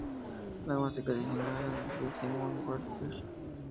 La música original es de Simon Walker.